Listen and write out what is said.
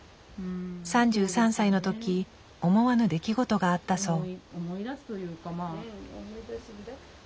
３３歳のとき思わぬ出来事があったそう。